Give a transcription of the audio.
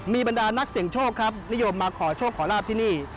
มีบรรดานักเสี่ยงโชคครับนิยมมาขอโชคขอลาบที่นี่